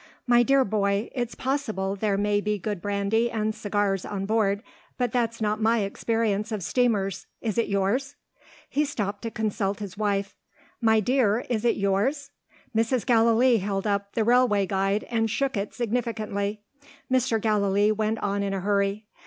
"My dear boy, it's possible there may be good brandy and cigars on board; but that's not my experience of steamers is it yours?" He stopped to consult his wife. "My dear, is it yours?" Mrs. Gallilee held up the "Railway Guide," and shook it significantly. Mr. Gallilee went on in a hurry.